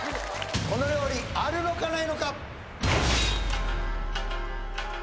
この料理あるのかないのか？